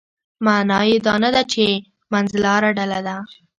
معنا یې دا نه ده چې منځلاره ډله ده.